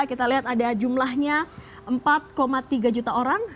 kita lihat ada jumlahnya empat tiga juta orang